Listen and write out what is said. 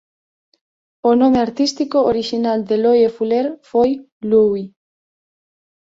O nome artístico orixinal de Loie Fuller foi "Louie".